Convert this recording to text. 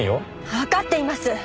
わかっています！